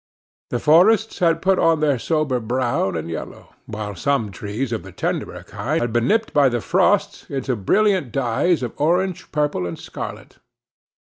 The forests had put on their sober brown and yellow, while some trees of the tenderer kind had been nipped by the frosts into brilliant dyes of orange, purple, and scarlet.